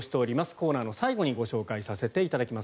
コーナーの最後にご紹介させていただきます。